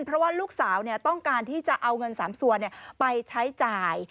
เพราะว่าลูกสาวต้องการที่จะเอาเงิน๓ส่วนไปใช้จ่าย